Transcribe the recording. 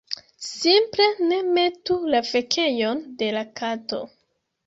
simple ne metu la fekejon de la kato